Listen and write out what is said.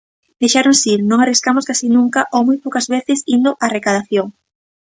Deixáronse ir, non arriscamos case nunca ou moi poucas veces indo á recadación.